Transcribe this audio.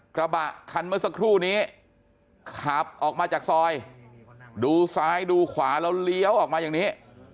กระบะคันเมื่อสักครู่นี้ขับออกมาจากซอยดูซ้ายดูขวาแล้วเลี้ยวออกมาอย่างนี้